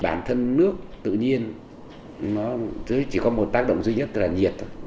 bản thân nước tự nhiên nó chỉ có một tác động duy nhất là nhiệt thôi